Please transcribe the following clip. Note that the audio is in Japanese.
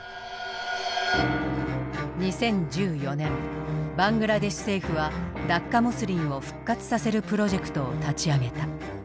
２０１４年バングラデシュ政府はダッカモスリンを復活させるプロジェクトを立ち上げた。